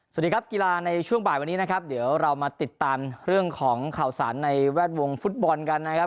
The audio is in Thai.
สวัสดีครับกีฬาในช่วงบ่ายวันนี้นะครับเดี๋ยวเรามาติดตามเรื่องของข่าวสารในแวดวงฟุตบอลกันนะครับ